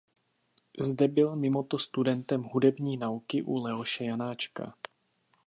Zde byl mimoto studentem hudební nauky u Leoše Janáčka.